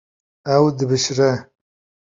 Ew dibişire.